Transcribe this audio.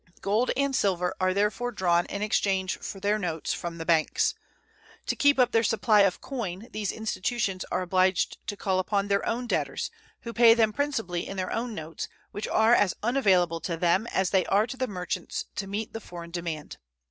Gold and silver are therefore drawn in exchange for their notes from the banks. To keep up their supply of coin these institutions are obliged to call upon their own debtors, who pay them principally in their own notes, which are as unavailable to them as they are to the merchants to meet the foreign demand.